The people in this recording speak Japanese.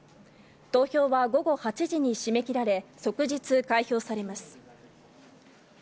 投票は午後８時に締め切られ、即日開票されます。